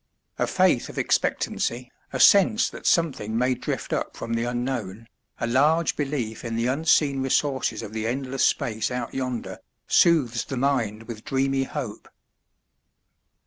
A faith of expectancy, a sense that something may drift up from the unknown, a large belief in the unseen resources of the endless space out yonder, soothes the mind with dreamy hope.